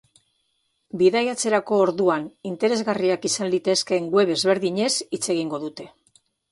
Bidaiatzerako orduan interesgarriak izan litezkeen web ezberdinez hitz egingo dute.